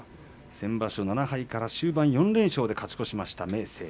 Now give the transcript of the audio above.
先場所７敗で後半４連勝で勝ち越した明生。